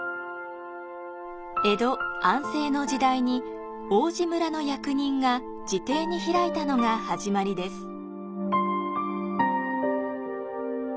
江戸・安政の時代に王子村の役人が自邸に開いたのが始まりです。